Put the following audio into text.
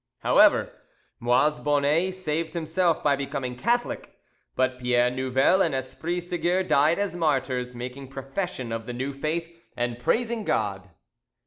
However, Moise Bonnet saved himself by becoming Catholic, but Pierre Nouvel and Esprit Seguier died as martyrs, making profession of the new faith and praising God.